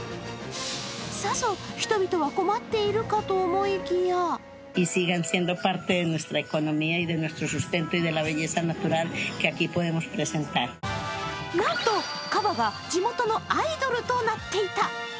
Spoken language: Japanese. さぞ、人々は困っているかと思いきやなんと、カバは地元のアイドルとなっていた。